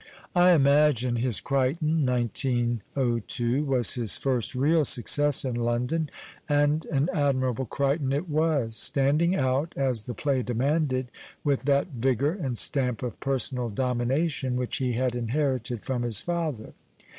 I imagine his Criehton (1902) was his first real success in Lon don, and an admirable Criehton it was, standing out, as the play demanded, with that \igour and stamj) of personal domination which he had inherited from his father.